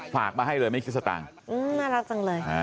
ฝากมาให้เลยไม่คิดสตางค์น่ารักจังเลย